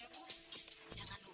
masuk deh bang